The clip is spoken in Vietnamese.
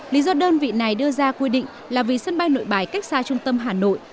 lý do đơn vị này đưa ra quy định là vì sân bay nội bài cách xa trung tâm hà nội